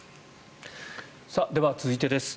では、続いてです。